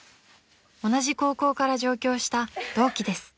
［同じ高校から上京した同期です］